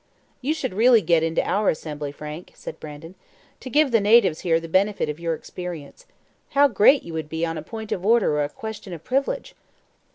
"You should really get into our Assembly, Frank," said Brandon, "to give the natives here the benefit of your experience. How great you would be on a point of order or a question of privilege!"